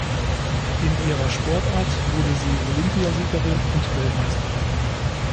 In ihrer Sportart wurde sie Olympiasiegerin und Weltmeisterin.